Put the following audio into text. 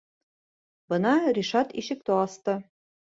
Бына Ришат ишекте асты.